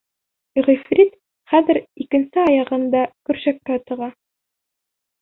Ғифрит хәҙер икенсе аяғын да көршәккә тыға.